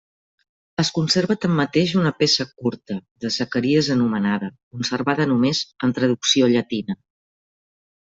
Es conserva tanmateix una peça curta de Zacaries anomenada conservada només en traducció llatina.